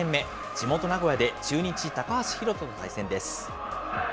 地元、名古屋で中日、高橋宏斗と対戦です。